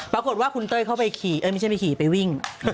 ปรากฏว่าคุณเต้ยเข้าไปขี่เอ้ยไม่ใช่ไปขี่ไปวิ่ง